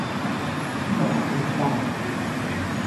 Volatilidade.